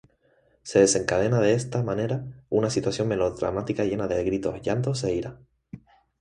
Se desencadena de esta manera una situación melodramática llena de gritos, llantos e ira.